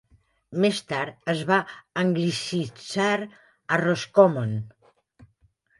Més tard es va anglicitzar a Roscommon.